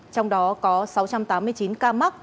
trong đó có sáu trăm tám mươi chín ca mắc